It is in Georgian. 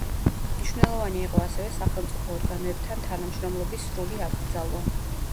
მნიშვნელოვანი იყო ასევე სახელმწიფო ორგანოებთან თანამშრომლობის სრული აკრძალვა.